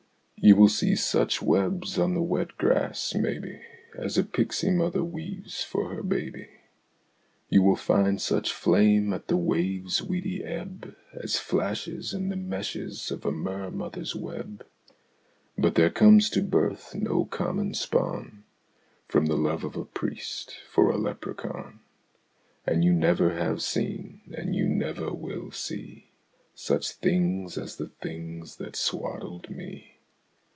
You will see such webs on the wet grass, maybe, As a pixie mother weaves for her baby, You will find such flame at the wave's weedy ebb As flashes in the meshes of a mer mother's web, But there comes to birth no common spawn From the love of a priest for a leprechaun, And you never have seen and you never will see Such things as the things that swaddled me!